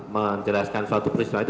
menjelaskan suatu peristiwa itu